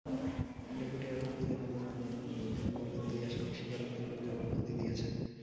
Deputy attorney general Amin Uddin বলেন, দুই আসামি স্বীকারোক্তিমূলক জবানবন্দি দিয়েছেন।